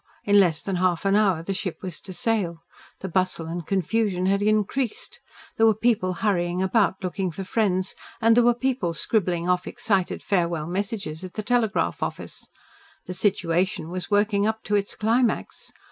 In less than half an hour the ship was to sail. The bustle and confusion had increased. There were people hurrying about looking for friends, and there were people scribbling off excited farewell messages at the telegraph office. The situation was working up to its climax.